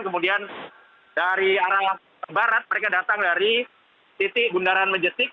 kemudian dari arah barat mereka datang dari titik bundaran majetik